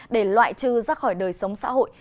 để loại trừ ra khỏi đời sống xã hội